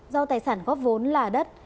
do tài sản góp vốn là đất